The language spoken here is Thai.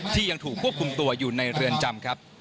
ยังถูกควบคุมตัวอยู่ในเรือนจำครับ